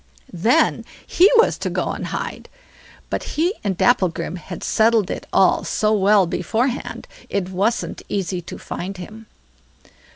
Then he was to go and hide; but he and Dapplegrim had settled it all so well beforehand, it wasn't easy to find him.